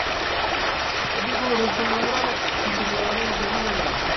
O xogador do Fuenlabrada pisa claramente a liña de banda.